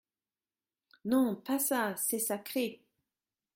Non, pas ça, c’est sacré !